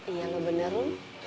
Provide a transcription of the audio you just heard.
iya kalau bener lo